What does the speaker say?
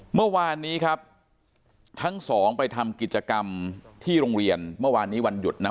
เมื่อวานนี้ครับทั้งสองไปทำกิจกรรมที่โรงเรียนเมื่อวานนี้วันหยุดนะ